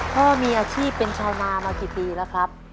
พ่อมีอาชีพเป็นชาวนามากี่ปีแล้วครับ